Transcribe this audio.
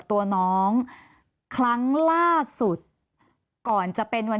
แต่ว่าขอส่งหวัญ